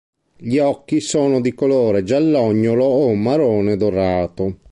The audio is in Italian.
Gli occhi sono di colore giallognolo o marrone-dorato.